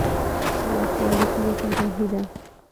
وسله د کلي تباهي ده